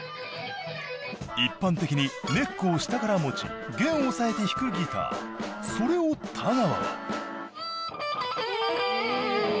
一般的にネックを下から持ち弦を押さえて弾くギターそれを田川は